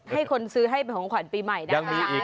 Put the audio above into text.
ให้คนซื้อให้เป็นของขวานปีใหม่ได้ล่ะ๒ยังมีอีก